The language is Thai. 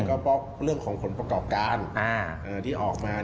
ก็เพราะเรื่องของผลประกอบการที่ออกมา